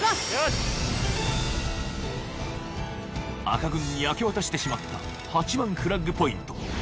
赤軍に明け渡してしまった８番フラッグポイント